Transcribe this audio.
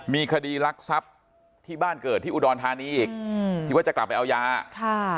มีคดีรักทรัพย์ที่บ้านเกิดที่อุดรธานีอีกอืมที่ว่าจะกลับไปเอายาค่ะ